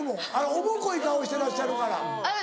おぼこい顔してらっしゃるから。